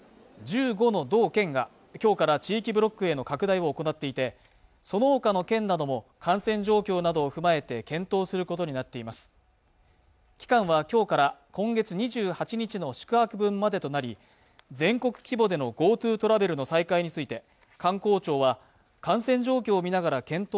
１５の道府県が今日から地域ブロックへの拡大を行っていてそのほかの県なども感染状況などを踏まえて検討することになっています期間はきょうから今月２８日の宿泊分までとなり全国規模でのＧｏＴｏトラベルの再開について